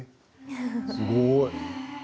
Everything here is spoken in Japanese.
すごい。